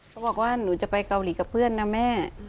เขาบอกว่าหนูจะไปเกาหลีกับเพื่อนนะแม่